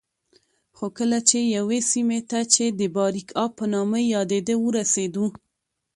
خو کله چې یوې سیمې ته چې د باریکآب په نامه یادېده ورسېدو